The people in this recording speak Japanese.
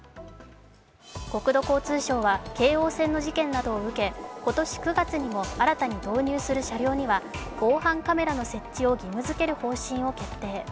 国土交通省は京王線の事件などを受け、今年９月にも新たに導入する車両には防犯カメラの設置を義務付ける方針を決定。